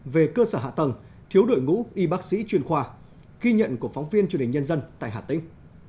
về cơ sở hạ tầng thiếu đội ngũ y bác sĩ chuyên khoa ghi nhận của phóng viên truyền hình nhân dân tại hà tĩnh